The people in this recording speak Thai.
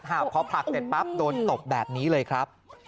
หากพอผลักเสร็จปั๊บโดนตบแบบนี้เลยครับ